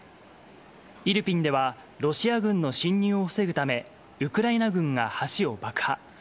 イルピンでは、ロシア軍の侵入を防ぐため、ウクライナ軍が橋を爆破。